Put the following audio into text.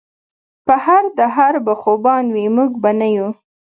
پۀ هر دهر به خوبان وي مونږ به نۀ يو